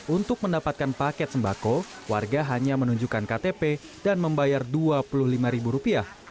untuk mendapatkan paket sembako warga hanya menunjukkan ktp dan membayar rp dua puluh lima